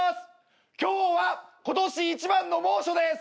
今日は今年一番の猛暑です！